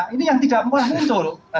ini yang tidak pernah muncul